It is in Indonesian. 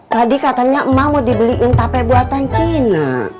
tadi katanya emak mau dibeliin tape buatan cina